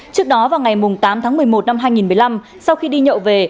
trước đó vào ngày tám tháng một mươi một năm hai nghìn một mươi năm sau khi đi nhậu về